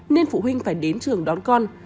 nên phụ huynh phải đến trường đón con